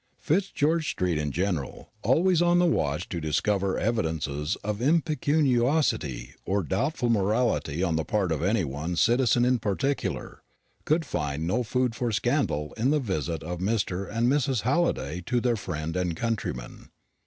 Fitzgeorge street in general, always on the watch to discover evidences of impecuniosity or doubtful morality on the part of any one citizen in particular, could find no food for scandal in the visit of Mr. and Mrs. Halliday to their friend and countryman.